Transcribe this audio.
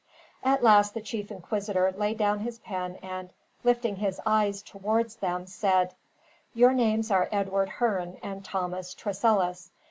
At last the chief inquisitor laid down his pen and, lifting his eyes towards them, said: "Your names are Edward Hearne and Thomas Tressilis.